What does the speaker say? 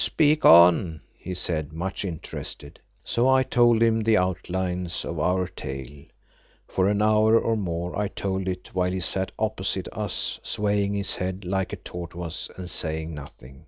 "Speak on," he said, much interested. So I told him the outlines of our tale; for an hour or more I told it while he sat opposite to us swaying his head like a tortoise and saying nothing.